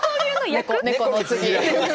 猫の次。